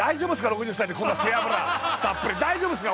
６０歳でこんな背脂たっぷり大丈夫っすか？